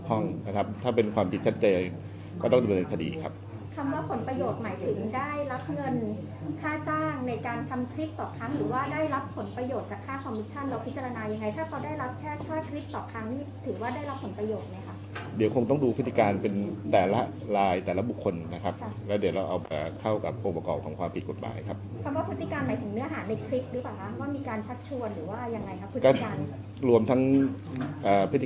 ข้างในการทำคลิปต่อครั้งหรือว่าได้รับผลประโยชน์จากค่าคอมมิกชั่นแล้วพิจารณายังไงถ้าเขาได้รับแค่ค่าคลิปต่อครั้งนี่ถือว่าได้รับผลประโยชน์ไหมครับเดี๋ยวคงต้องดูพฤติการเป็นแต่ละลายแต่ละบุคคลนะครับครับแล้วเดี๋ยวเราเอาเอ่อเข้ากับโปรปกรองของความผิดกฎบายครับคำว่าพฤต